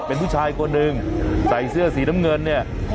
เป็นผู้ชายคนหนึ่งใส่เสื้อสีน้ำเงินเนี่ย